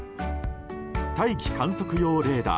大気観測用レーダー